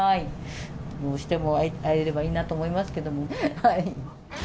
どうしても、会えればいいなと思いますけど。